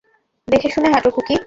দেখেশুনে হাটো, খুকী!